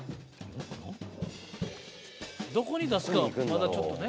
どこに出すかはまだちょっとね。